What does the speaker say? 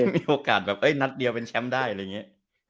มีโอกาสแบบนัดเดียวเป็นแชมป์ได้อะไรอย่างนี้